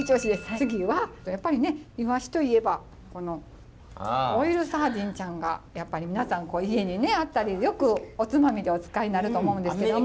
次はやっぱりねいわしといえばこのオイルサーディンちゃんがやっぱり皆さん家にあったりよくおつまみでお使いになると思うんですけども。